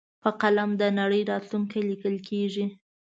په قلم د نړۍ راتلونکی لیکل کېږي.